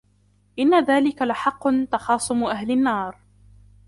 إِنَّ ذَلِكَ لَحَقٌّ تَخَاصُمُ أَهْلِ النَّارِ